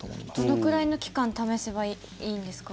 どのくらいの期間試せばいいんですか？